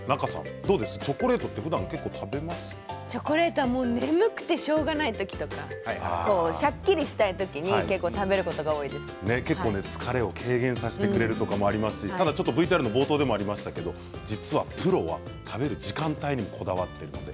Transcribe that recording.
どうですチョコレートってチョコレートは眠くてしょうがない時とかシャッキリしたい時に疲れを軽減させてくれるとかありますしＶＴＲの冒頭でありましたが実はプロは食べる時間帯にもこだわっているんです。